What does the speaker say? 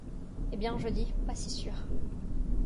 Eh bien, je dis : pas si sûr !